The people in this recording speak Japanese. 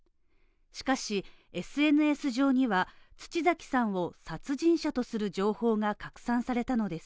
しかし、ＳＮＳには土崎さんを殺人者とする情報が拡散されたのです。